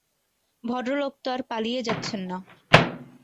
ভদ্রলোক তো আর পালিয়ে যাচ্ছেন না।